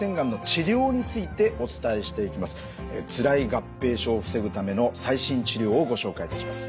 つらい合併症を防ぐための最新治療をご紹介いたします。